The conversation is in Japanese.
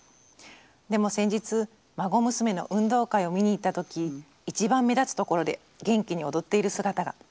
でも先日孫娘の運動会を見に行った時一番目立つところで元気に踊っている姿が。